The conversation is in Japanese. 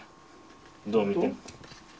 どう見ても。